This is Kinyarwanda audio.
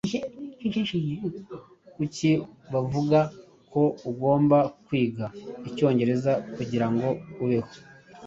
Kuki bavuga ko ugomba kwiga icyongereza kugirango ubeho?